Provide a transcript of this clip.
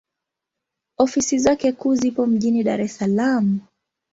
Ofisi zake kuu zipo mjini Dar es Salaam.